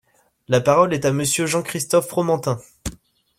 La parole est à Monsieur Jean-Christophe Fromantin.